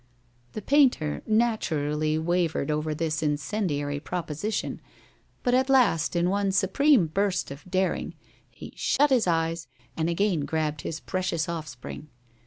The painter naturally wavered over this incendiary proposition, but at last, in one supreme burst of daring, he shut his eyes and again grabbed his precious offspring.